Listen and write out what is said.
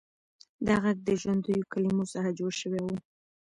دا غږ د ژوندیو کلمو څخه جوړ شوی و.